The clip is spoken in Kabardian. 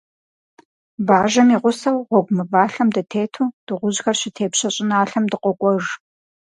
Бажэм и гъусэу, гъуэгу мывалъэм дытету, дыгъужьхэр щытепщэ щӀыналъэм дыкъокӀуэж.